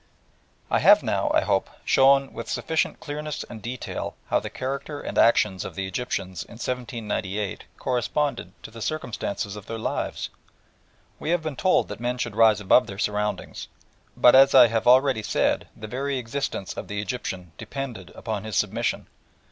I have now, I hope, shown with sufficient clearness and detail how the character and actions of the Egyptians in 1798 corresponded to the circumstances of their lives. We have been told that men should rise above their surroundings, but as I have already said, the very existence of the Egyptian depended upon his submission.